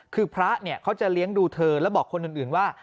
คือพระเนี่ยเขาจะเลี้ยงดูเธอแล้วบอกคนอื่นว่า